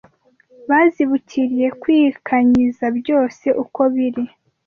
Bazibukiriye kwikanyiza byose uko biri